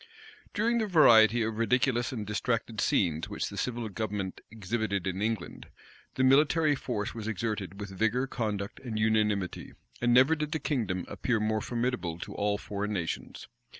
During the variety of ridiculous and distracted scenes which the civil government exhibited in England, the military force was exerted with vigor, conduct, and unanimity; and never did the kingdom appear more formidable to all foreign nations.